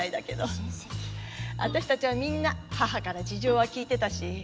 あたしたちはみんな母から事情は聞いてたし。